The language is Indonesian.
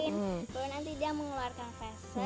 lalu nanti dia mengeluarkan fesis